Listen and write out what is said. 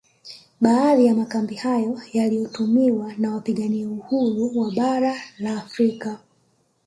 Baadhi ya makambi hayo yaliyotumiwa na wapigania uhuru wa bara la Afrika